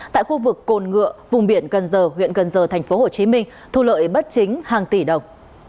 tại khu vực cồn ngựa vùng biển cần giờ huyện cần giờ tp hcm thu lợi bất chính hàng tỷ đồng